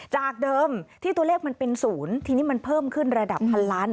จากเดิมที่ตัวเลขมันเป็น๐ทีนี้มันเพิ่มขึ้นระดับพันล้าน